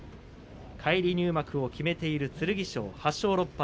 返り入幕を決めている剣翔８勝６敗。